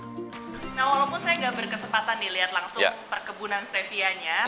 nah walaupun saya tidak berkesempatan melihat langsung perkebunan stevianya